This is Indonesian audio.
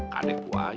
kanek buayi sih